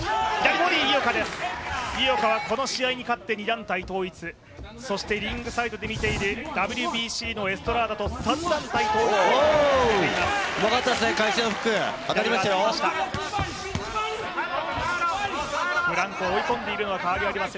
井岡はこの試合に勝って２団体統一そしてリングサイドで見ているＷＢＣのエストラーダと３団体統一を目指しています。